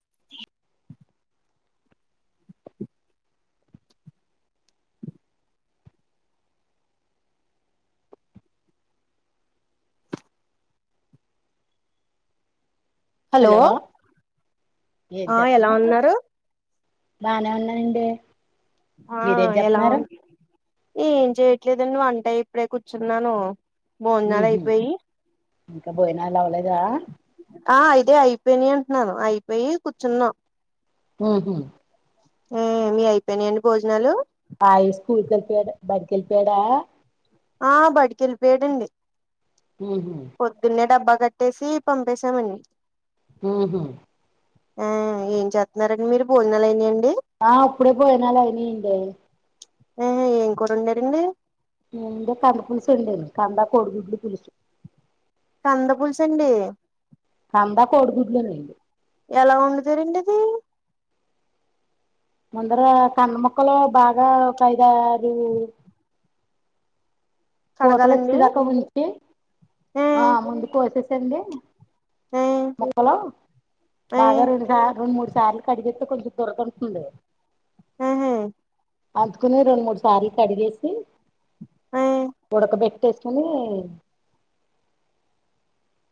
ఆ హలో ఏం ఆ ఎలా చెప్తున్నారు ఉన్నారు బానే ఉన్నానండి మీరేం చెప్తున్నారు ఏం చెయ్యట్లేదండి వంటై ఇప్పుడే కూర్చున్నాను భోజనాలు ఊహు అయిపోయి ఇంకా బోయానాలు అవలేదా ఆ ఇదే అయిపోయినాయి అంటున్నాను అయిపోయి కూర్చున్నాం ఊహు ఊ మీయి అయిపోయినాయండి భోజనాలు ఆ ఇస్కూల్కి వెళ్ళిపోయాడు బడికెళ్ళిపోయాడా ఆ బడికెళ్ళిపోయాడండి ఊహు పొద్దున్నే డబ్బా కట్టేసి పంపేశామండి ఊహు ఆ ఏం చేతున్నారండి మీరు భోజనాలయినాయండి ఆ అప్పుడే భోజనాలు అయినాయండి ఆహా ఏం కూర వొండారండి నేంద కందపులుసు వొండాను కందా కోడుగుడ్లు పులుసు కంద పులుసండి కందా కోడిగుడ్లోనేండి ఎలా వొండుతారండి అది ముందర కంద ముక్కలు బాగా ఒకైదారు కూతలు కడగాలండి వచ్చేదాకా ఉంచి ఆ ముందు కోసేసండి ఆ ముక్కలు ఆ బాగా రెండు సార్లు మూడు సార్లు కడిగేతే తే కొంచెం దురదుంటుంది ఆహా అందుకుని రెండు మూడు సార్లు కడిగేసి ఆ ఉడకబెట్టేసుకుని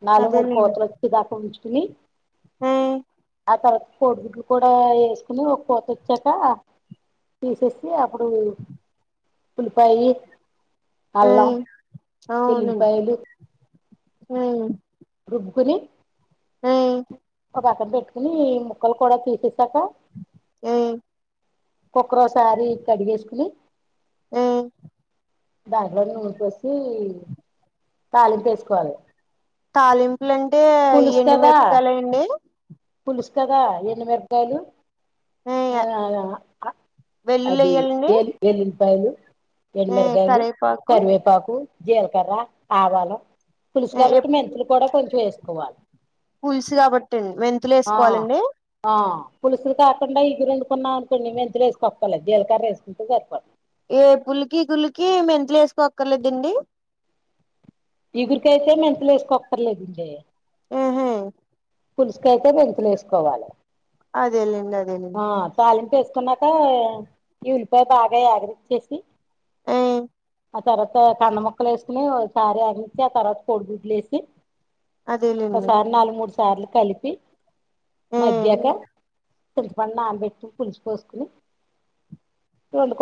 నాలుగు మూడు అదేలేండి కోతలు వచ్చే దాకా ఉంచుకుని మ్మ్ ఆ తర్వాత కోడిగుడ్లు కూడా ఏసుకుని ఒక కోతొచ్చాక తీసేస్తే అప్పుడు ఉల్లిపాయి ఆ అల్లం వెల్లుల్లిపాయలు మ్మ్ రుబ్బుకుని అయి ఓ పక్కన పెట్టుకుని ఈ ముక్కలు కూడా తీసేసాక మ్మ్ కోక్కరోసారి కడిగేసుకుని మ్మ్ దాంట్లో నూనె పోసి తాళింపేసుకోవాలి తాలింపులంటే ఎండు కదా మిరపకాయల అండి పులుసు కదా ఎండు మిరపకాయలు ఉమ్ ఆ ఆ అ వెల్లుల్లి అది ఎయ్యాలండి ఏలి వెల్లుల్లిపాయలు ఎండు ఉమ్ మిరకాయలు కరేపాకు కరివేపాకు జీలకర్ర ఆవాలు పులుసు ఆహ్, కాబట్టి ఎప్ మెంతులు కూడా కొంచెం ఏసుకోవాలి పులుసు కాబట్టి మెంత్ ఆ ఆ పులుసులు కాకుండా ఇగురు వండుకున్నాం అనుకోండి మెంతులు ఏసుకోక్కర్లేదు జీలకర్ర ఏసుకుంటే సరిపోద్ది ఏ పులికి కులికి మెంతులు ఏసుకోక్కర్లేదండి ఇగురుకైతే మెంతులు ఏసుకోక్కర్లేదండి మ్మ్ హు పులుసుకైతే మెంతులు ఏసుకోవాలె అదేలెండి అదేలెండి ఆ తాలింపు ఏసుకున్నాక ఈ ఉల్లిపాయ బాగా ఏగనిచ్చేసి మ్మ్ ఆ తర్వాత కంద ముక్కలు ఏసుకుని ఓసారి ఆగించి ఆ తర్వాత కోడి గుడ్లు ఏసి అదేలేండి ఓసారి నాలుగు మూడు సార్లు కలిపి ఉమ్ మగ్గ్యాక చింతపండు నానబెట్టుకుని పులుసు పోసుకుని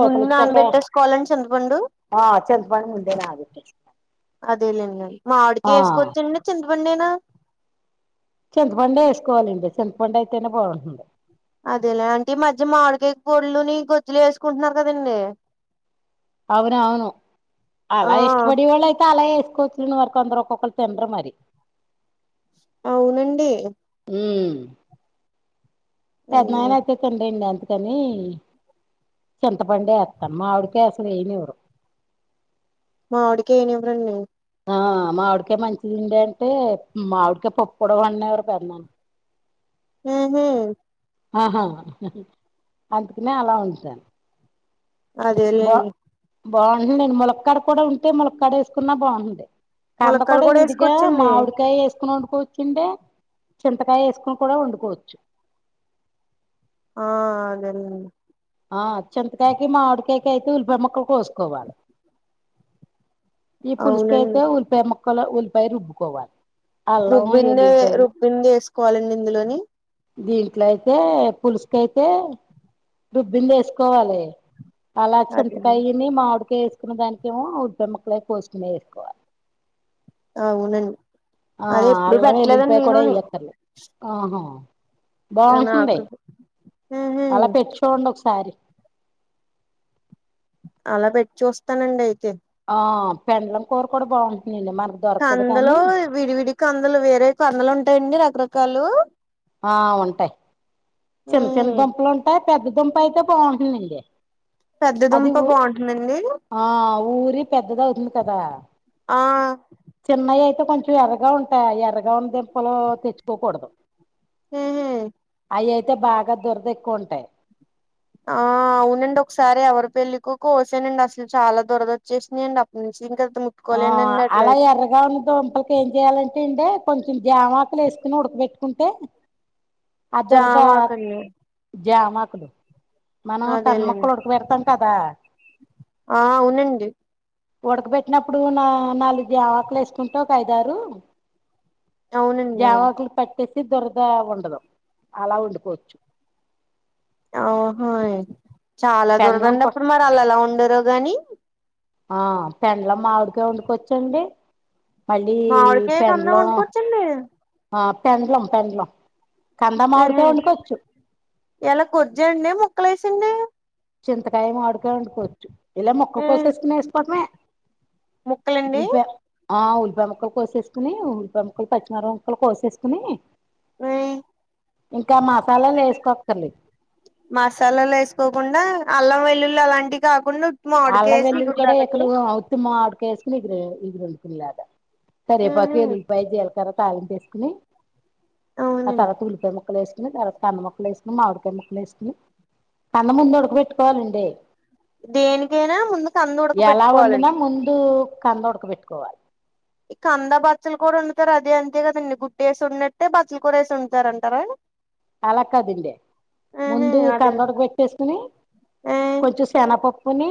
ముందు నానబెట్టేసుకోవాలండి చింతపండు ఆ చింతపండు ముందే నానబెట్టేసా అదేలేండి మావిడికాయ ఆ ఏసుకోచ్చండి చింతపండేనా చింతపండే వేసుకోవాలండే చింతపండు అయితేనే బావుంటుంది అదేలా అంటి ఈ మధ్య మామిడికయ పొడులు గొజ్జులు వేసుకుంటున్నారు కదండే అవునవును ఆ అలా ఇష్టపడే వాళ్ళు అయితే అలా ఎస్కో తినేవోరు కొందరు ఒక్కొక్కరు తిన్రూ మరి అవునండి మ్మ్ ఉమ్, పెద్దనాన్న అయితే తినరండి అందుకని చింతపండే ఎస్తాను మావిడికాయ అసలు ఎయ్యనివ్వరు మావిడికాయ్ ఎయ్యనివ్వరండి ఆ మావిడికాయ మంచిదిండే అంటే మావిడికాయ పప్పు గూడా పడనివ్వరు మ ఉహు ఆహా అందుకనే అలా వండుతాను అదేలెండి బావుంటుందండి ములక్కడ కూడా ఉంటే ములక్కడ ఎసుకున్నా బావుంది కంద ములక్కడ కూడా విడిగా వేసుకోవచ్చండి మామిడికాయ ఎసుకుని వండుకో తింటే చింతకాయ ఏసుకోని కూడా వండుకోచ్చు ఆ అదేలెండి ఆ చింతకాయకి మామిడికాయకి అయితే ఉల్లిపాయ ముక్కలు కోసుకోవాలి ఈ అవునండి పులుసుకైతే ఉల్లిపాయ ముక్కలు ఉల్లిపాయ రుబ్బుకోవాలి అల్లం రుబ్బిందే ఎల్లిపాయలు రుబ్బింది ఎసుకోవాలండి ఇందులోని దీంట్లో అయితే పులుసుకైతే రుబ్బింది ఎసుకోవాలి అలా అదేనండి చింతకాయని మామిడికాయ ఎసుకున్న దానికెమో ఉల్లిపాయ ముక్కలవి కోసుకునేది ఎక్కువ అవునండి ఆ అదే ఎప్పుడు అల్లం ఎల్లి పెట్టలేదండి పాయ కూడా నేనుని ఎయ్యాకర్లేద్ ఆహా బావుంటుంది నాకు ఉహు అలా పెట్టీ చూడండి ఒక సారి అలా పెట్టి చుస్తానండి అయితే ఆ పెండలం కూర కూడా బాగుంటుందండే మనక్ కందలో విడివిడి కందలు వేరే కందలు ఉంటాయండి రకరకాలు ఆ ఉంటాయి చిన్న చిన్న ఉహు దుంపలుంటాయి పెద్ద దుంప అయితే బాగుంటుందండి అది పెద్దదుంప బావుంటుందండీ ఆ ఊరి పెద్దదావుతుంది కదా ఆ చిన్నయి అయితే కొంచెం ఎర్రగా ఉంటాయి ఆ ఎర్రగా ఉన్న దుంపలు తెచ్చుకోకూడదు ఉహు అయి అయితే బాగా దురద ఎక్కువ ఉంటయి ఆ అవునండి ఒకసారి ఎవరి పెళ్ళలికో కోసానండి అసలు చాలా దురద వచ్చేసినయియండి అప్పటి నుంచి ఇంకా అది ము ఆ అలా ఎర్రగ్ గా ఉన్న దుంపలకి ఏం చేయాలంటే అండే కొంచెం జామా ఆకులు ఎసుకుని ఉడకబెట్టుకుంటే అ దురదా జామాకండి జామాకులు మనం కంద అదేలేండి ముక్కలు ఉడుక్ పెడతాం కదా ఆ అవునండి ఉడకబెట్టినప్పుడు నా నాలుగు జమాకులు ఎసుకుంటే ఒక ఐదారు అవునండి అవును జామాకులకు పట్టేసి దురద ఉండదు అలా వండుకోచ్చు ఆహా చాలా పెండ్లం దూరదండి కొ అప్పుడు మరి అలా ఎలా వొండారో గాని ఆ పెండ్లం మామిడికాయ్ వండుకొచ్చండి మళ్ళీ మామిడికాయ కందం పెండ్లం వండుకోవచ్చండి ఆ పెండ్లం పెండ్లం కంద ఆహా మావిడికాయ్ వండుకోచ్చు ఎలా గోజ్జండి ముక్కలు ఏసాండీ చింతకాయ మామిడికాయ వండుకోవచ్చు ఇలా మొక్క ఆ కోసేసుకునే వేసుకోటమే ముక్కలండి ఉల్పే ఆ ఉల్లిపాయ ముక్కలు కోసేసుకుని ఉల్లిపాయ ముక్కలు పచ్చిమిరపకాయలు కోసేసుకుని ఆ ఇంకా మసాలాలు వేసుకో అక్కర్లేదు మసాలాలు వేసుకోకుండా అల్లం వెల్లుల్లి అలాంటివి కాకుండా ఉత్తి మామిడికాయ అల్లం వెల్లుల్లి కూడా చిగురులాగండి వేయకూడదు అవ్వ్ ఆహా [unintelligible] తర్వాత తాలింపు వేసుకొని ఆ అవునండి తర్వాత ఉల్లిపాయ ముక్కలు వేసుకుని తర్వాత కన్న ముక్కలు వేసుకుని మామిడికాయ ముక్కలు వేసుకుని ఆన్న ముందు ఉడక పెట్టువాలండి దేనికైనా ముందు కంద ఎలా వండినా ఉడకబెట్టుకోవాలండి ముందు కంద ఉడక పెట్టుకోవాలి ఇక కంద బచ్చలు కూర వండుతారే అది అంతే కదండి గుడ్డు వేసి పండినట్టే బచ్చలు కూర వేసి వండుతరూ అంటారా అలా కదండి ఉహు ముందు అదే కంద ఉడకపెట్టేసుకుని ఆ కొంచెం శనప కుని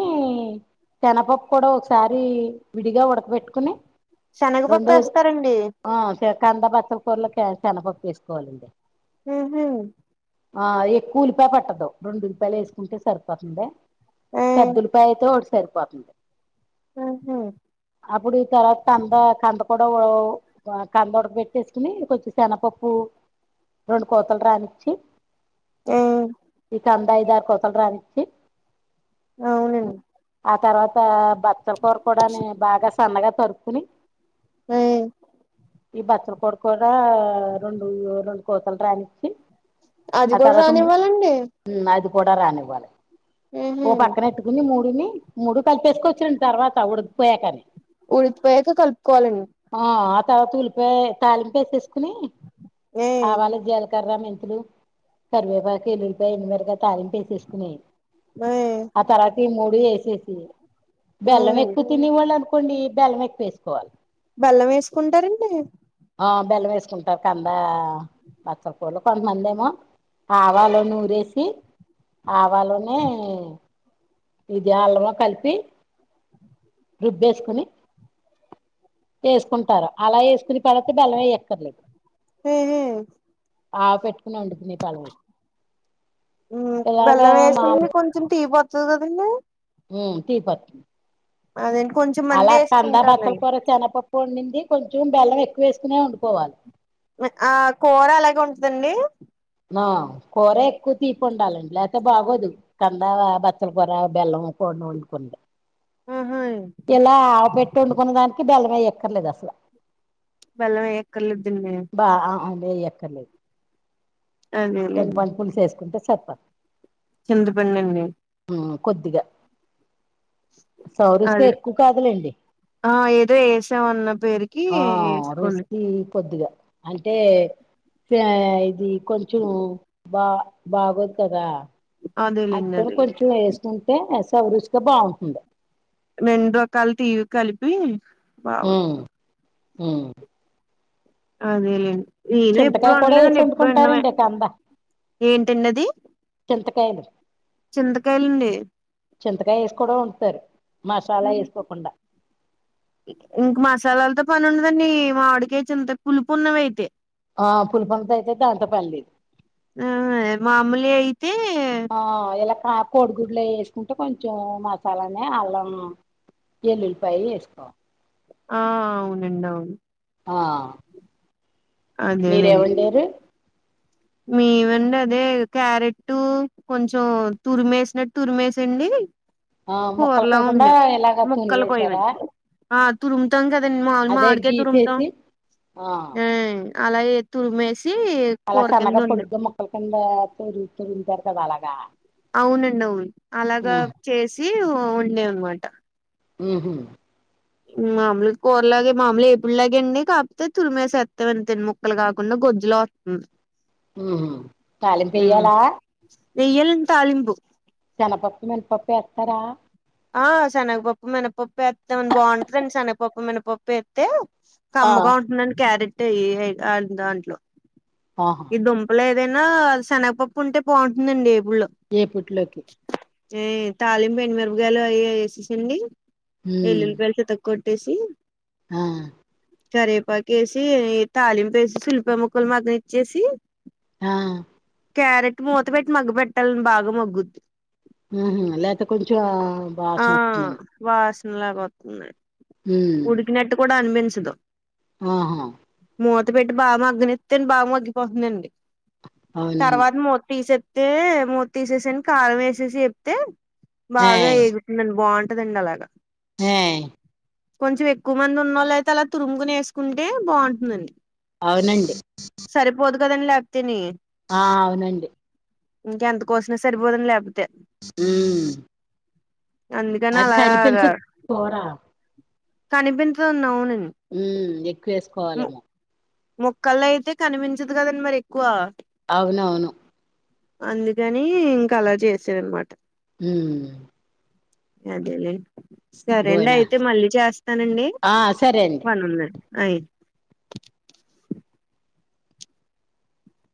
శనగపప్పు కూడా ఒకసారి విడిగా ఉడకబెట్టుకుని శనగపప్పు రెండు వేస్తారండి ఆ కంద బచ్చలి కూరలొకి కాస్త శనపప్పు వేసుకోవాలండి ఉహు ఆ ఎక్కువ ఉలిపాయ పట్టదు రెండు ఉలిపాయలు వేసుకుంటే సరిపోతుంది ఆ పెద్ద ఉల్లిపాయ అయితే ఒకటి సరిపోతుంది ఊహు అప్పుడు ఈ తర్వాత కంద కంద కూడా వావ్ కంద ఉడక పెట్టేసుకొని కొంచెం శనపప్పు రెండు కోతలు రానిచ్చి ఆ ఇక కంద ఐదు ఆరు కోతలు రానిచ్చి అవున ఆ తర్వాత బచ్చల కూర కూడా ని బాగా సన్నగా తరుక్కొని ఆ ఈ బచ్చల కూర కూడా రెండు రెండు కూతలు రానిచ్చి అది ఆ కూడా తర్వాత రానివ్వాలండి అది కూడా రానివ్వాలి ఓ ఉహు పక్కన పెట్టు ఈ మూడిని మూడు కలిపేసుకోవచ్చు లేండి ర్వాత ఉడకిపోయాక ఉడికి పోయాక కలుపుకోవాలని ఆ ఆ తర్వాత ఉలిపాయ తాలింపు వేసేసుకొని ఆ ఆవాలు జీలకర్రా మెంతులు కరివేపాకు ఎల్లుల్లిపాయ ఎండు మిరపకాయలు తాలింపు వేసేసుకుని మ్ ఆ తర్వాత ఈ మూడు ఏసేసి బెల్లం అవునండి ఎక్కువ తినివాళ్ళ కొన్ని బెల్లం ఎక్కువ వేసుకోవాలి బెల్లం వేసుకుంటారండి ఆ బెల్లం వేసుకుంటారు కందా బచ్చల కూరలో కొంతమంది ఏమో ఆవాలు నూరేసి ఆవాలనూ ఈ బెల్లను కలిపి రుబ్బేసుకుని చేసుకుంటార అలా వేసుకుని తర్వాత బెల్లం వేయక్కర్లేదు ఆవ పెట్టుకుని వండుకుని హలో ఎలాగా [unintelligible] టీ పోతది కదండీ మ్ టీ పట్లము అదేంటి కొంచం అలా కందా బచ్చల కూర శనపప్పు వండింది కొంచెం బెల్లం ఎక్కువ వేసుకునే వండుకోవాలి. ఆ కూర అలాగే ఉంటందండి. మా కూరే ఎక్కువ తీపుండాలండి లేకపోతే బాగోదు. కందా బచ్చల కూర బెల్లం కూర వండుకుంటే. ఆహా. ఇలా ఆవ పెట్టి వండుకున్న దానికి బెల్లము ఏయ అక్కర్లేదు అసలు. బెల్లం ఏయ అక్కర్లేదండి. బా ఆ లే ఎయ్యక్కర్లేదు ఎ అదేలేండి పచ్చి పులుసు వేసుకుంటే సరిపోతుంది. చింత పిండండి. ఆ కొద్దిగా సౌరస్గా అదే ఎక్కువ కాదులేండి. ఆ ఏదో ఎసామన్న పేరుకి ఆ ఏసుకోండి. [unintelligible] కొద్దిగా అంటే ఆ ఇది కొంచెం బా బాగోదు కదా. అదేలేండి అందుకని అదేలే కొంచెం వేసుకుంటే సౌరుసుగా బాగుంటుంది. రెండు రకాలు తీరువి కలిపి బాగుంటుంది. ఉ అదేలేండి నేను ఎప్పుడు చింతకాయ కూడా వేసి వండలేదండి, ఎప్పుడు విన్నమే, వండుకుంటారండి కంద ఏంటండి అది. చింతకాయలు. చింతకాయలండి. చింతకాయ ఎసి కూడా వండుతారు, మసాలా ఎసుకోకుండా. ఇంక మసాలాలతో పని ఉండదండి మావిడికాయ చింత పులుపు ఉన్నవి అయితే. ఆ పులపంత అయితే దానితో పనిలేదు. ఆ మామూలియి అయితే ఆ ఎలా కా కోడిగుడ్లు అయి ఎసుకుంటే కొంచెం మసాలనే అల్లం, ఎల్లులిపాయి వేసుకోవాలి. ఆ అవునండి అవును. ఆ మీరేం అదేలేండి వండారు? మేమండి అదే క్యారెట్ కొంచెం తురిమేసినట్టు తురిమేసండి ఆ ముక్కలు కూరలా కాకుండా వండా. ఇలాగ తుని ముక్కలు వేసారా కోయనండి. ఆ తురుముతాం కదండి మావుల్ అదే మామిడి కాయ తురుముతాం. గీసేసి ఆ అలాగే తురుమేసి అలా సన్నగా పొడుగ్గా ముక్కల కింద తురుమి తురుమి పెడతారు అలాగా. అవునండి అవును అలాగా ఉమ్ చేసి వండాను అన్మాట. ఉహ్. మామూలుగా కూరలాగే మామూలు ఎప్పుడు లాగే అండి కాకపోతే తురిమేసేత్తం అండి అంతే ముక్కలు కాకుండా గొజ్జులా వ హ్. తాలింపు ఎయ్యాలా. వెయ్యాలండి తాలింపు. శనపప్పు, మినపప్పు ఎత్తారా. ఆ శనగపప్పు, మినపప్పు ఎత్తామండి బావుంటదండి. శనగపప్పు, మినపప్పు ఏత్తే ఆ కమ్మగా ఉంటుందండి క్యారెట్ అయి ఏయ్ దాంట్లో. ఆహా. ఈ దుంపలు ఏదైనా శనగపప్పు ఉంటే బాగుంటుందండి ఏపుళ్ళో. ఏ పుట్లోకి ఏ తాళింపు ఎండుమిరపగాయలు అవి వేసేసండి ఉమ్ ఎల్లులి పెలి త కొట్టేసి ఆ కరేపాక వేసి తాలింప వేసి శుల్ప ముక్కలు మగ్న ఇచ్చేసి ఆ క్యారెట్ మూత పెట్టి మగ్గు పెట్టాలని బాగా మగ్గుద్ది ఊహు లేపో కొంచం ఆ వాసనలాగా వతుంది ఉమ్ ఉడికినట్టు కూడా అనిపించదు ఆహా మూత పెట్టి బాగా మగ్గనితే అను బాగా మాగ్గిపోతుందండి అవునండి తర్వాత మూత తీసప్తే మూత తీసేసాని కారం వేసేసి చెప్తే బాగా ఏయ్ ఎగుతుందండి బాగుంటదండి అలాగా ఏయ్ కొంచెం ఎక్కువ మంది ఉన్నళ్ళు అయితే అలా తురుముకునే వేసుకుంటే బాగుంటుందండి అవునండి సరిపోదు కదండి లేకపోతే ని ఆ అవునండి ఇంకెంత కోసమ సరిపోదని లేకపోతే హుమ్మ్ అందుకని అలాగా కనిపించదు కూర కనిపించన్నా అవునడి హ్లఎక్కువ వేసుకోవాలమో మొక్కల అయితే కనిపించదు కదండి మరి ఎక్కువ అవునవును అందుకని ఇంకా అలా చేసారనమాట ఉ అదేలేండి సరే అండి బోనా అయితే మళ్ళీ చేస్తానండి ఆ సరే అండి పనుందండి అయి